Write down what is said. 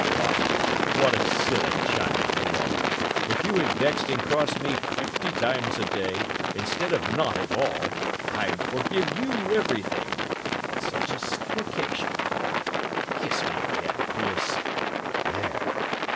Why, what a silly child you are! If you had vexed and crossed me fifty times a day, instead of not at all, I'd forgive you everything, but such a supplication. Kiss me again, Puss. There!